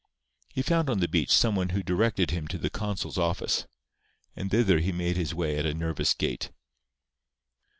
He found on the beach some one who directed him to the consul's office; and thither he made his way at a nervous gait.